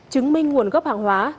chứng minh nguồn gốc hàng hóa